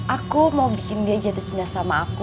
aku mau bikin dia jatuh cinta sama aku